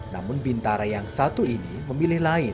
namun bintara yang satu ini memilih lain